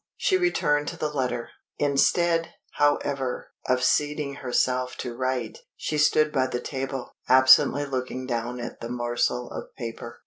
She returned to the letter. Instead, however, of seating herself to write, she stood by the table, absently looking down at the morsel of paper.